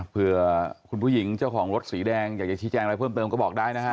เพื่อคุณผู้หญิงเจ้าของรถสีแดงอยากจะชี้แจงอะไรเพิ่มเติมก็บอกได้นะฮะ